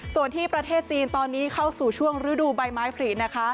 ส่วนที่ประเทศจีนตอนนี้เข้าสู่ช่วงฤดูใบไม้ผลินะคะ